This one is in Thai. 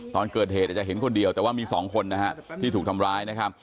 ตอนเกิดเหตุอาจจะเห็นคนเดียวแต่ว่ามีสองคนนะฮะที่ถูกทำร้ายนะครับ